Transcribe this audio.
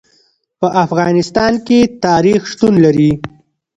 په افغانستان کې تاریخ شتون لري.